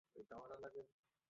এটাই হচ্ছে আসল।